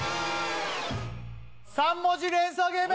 ３文字連想ゲーム！